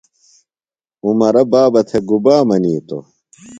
عمرہ بابہ تھےۡ گُبا منِیتوۡ؟